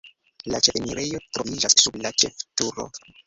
La ĉefenirejo troviĝas sub la ĉefturo.